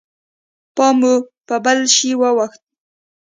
پام مو په بل شي واوښت.